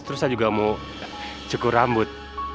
terus saya juga mau cukur rambut